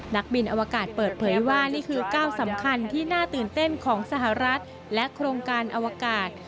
นักบินอวกาศเปิดเผยว่านี่คือก้าวสำคัญที่น่าตื่นเต้นของสหรัฐและโครงการอวกาศ